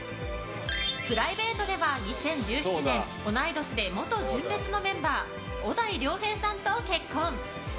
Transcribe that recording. プライベートでは、２０１７年同い年で元純烈のメンバー小田井涼平さんと結婚。